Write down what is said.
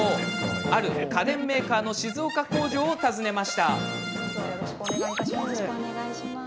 ある家電メーカーの静岡工場を訪ねます。